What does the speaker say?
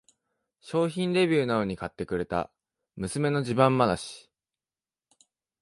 商品レビューなのに買ってくれた娘の自慢話